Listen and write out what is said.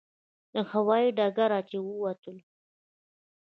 له هوایي ډګره چې ووتلو.